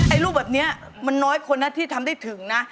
รูปแบบนี้มันน้อยคนนะที่ทำได้ถึงนะ